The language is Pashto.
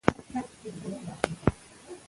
خاموشه اوسه او واوره.